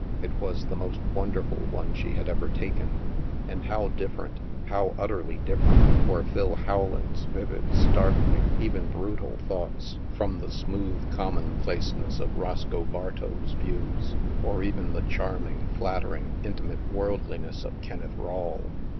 It was the most wonderful one she had ever taken ! And how different — how utterly different — were Phil Rowland's vivid, star tling, even brutal, thoughts, from the smooth com monplaceness of Roscoe Bartow's views, or even the charming, flattering, intimate worldliness of Ken neth Rawle.